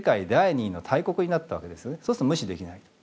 そうすると無視できない。